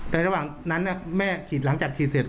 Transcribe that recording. ระหว่างนั้นแม่ฉีดหลังจากฉีดเสร็จ